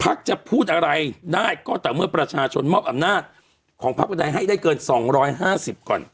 พรักจะพูดอะไรได้ก็แต่เมื่อประชาชนหมอบอำหน้าตของพรรคไทยให้ได้เกินสองร้อยห้าสิบก่อน